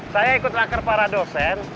saya ikut naker para dosen